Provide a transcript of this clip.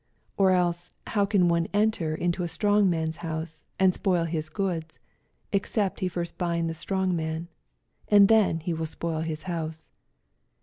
29 Or else how can one enter into a strong man's house, and spoil his goods, except he first oind the strong man? and then he will spoil his house.